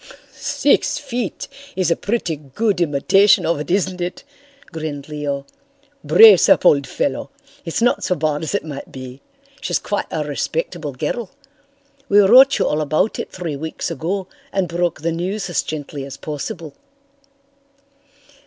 "Six feet is a pretty good imitation of it, isn't it?" grinned Leo. "Brace up, old fellow. It's not so bad as it might be. She's quite a respectable girl. We wrote you all about it three weeks ago and broke the news as gently as possible."